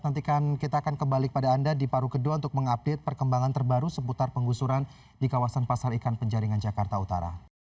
nantikan kita akan kembali kepada anda di paru kedua untuk mengupdate perkembangan terbaru seputar penggusuran di kawasan pasar ikan penjaringan jakarta utara